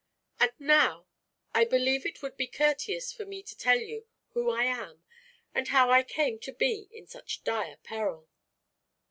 And now, I believe it would be courteous for me to tell you who I am and how I came to be in such dire peril."